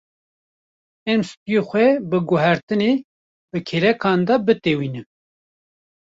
Em stûyê xwe bi guhertinê bi kêlekan de bitewînin.